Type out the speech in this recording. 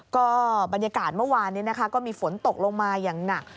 ก็บรรยากาศเมื่อวานนี้นะคะก็มีฝนตกลงมาอย่างหนัก